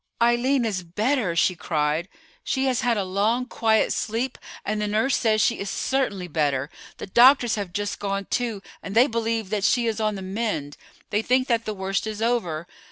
"Eileen is better," she cried; "she has had a long, quiet sleep, and the nurse says she is certainly better. The doctors have just gone, too, and they believe that she is on the mend. They think that the worst is over.